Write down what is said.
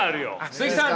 鈴木さん